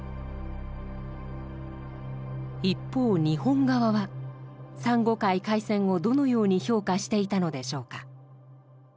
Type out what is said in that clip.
一方日本側は珊瑚海海戦をどのように評価していたのでしょうか。